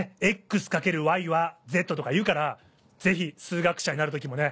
「Ｘ×Ｙ＝Ｚ」とか言うからぜひ数学者になる時もね